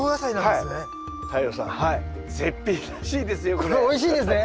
これおいしいんですね？